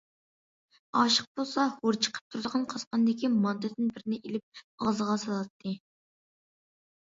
ئاشىق بولسا، ھور چىقىپ تۇرغان قاسقاندىكى مانتىدىن بىرنى ئېلىپ ئاغزىغا سالاتتى.